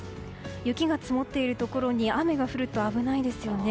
雪が積もっているところに雨が降ると危ないですよね。